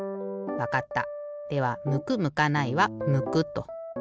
わかった。